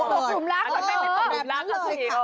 หรือแม่งมีตกลุ่มรักกับหนนี้อ้อ